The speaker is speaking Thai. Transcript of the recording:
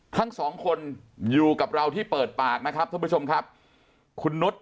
ทั้งสองคนอยู่กับเราที่เปิดปากนะครับท่านผู้ชมครับคุณนุษย์